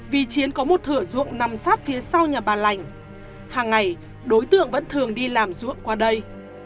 vì chiến có một thửa ruộng nằm sát phía sau nhà bà lành hàng ngày đối tượng vẫn thường đi làm ruộng qua đây